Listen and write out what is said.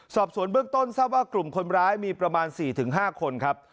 สอบสวนเบื้องต้นทราบว่ากลุ่มคนร้ายมีประมาณ๔๕คนครับ